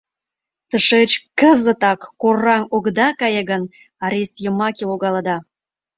Тышеч кыз-зытак кор-раҥ огыда кае гын, арест йымаке логалыда!